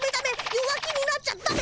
弱気になっちゃだめ。